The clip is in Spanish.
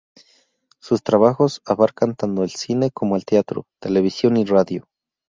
Sus trabajos abarcan tanto el cine como el teatro, televisión y radio.